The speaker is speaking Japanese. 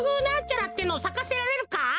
なんちゃらってのをさかせられるか？